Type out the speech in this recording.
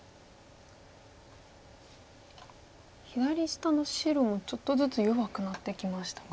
左下の白もちょっとずつ弱くなってきましたか？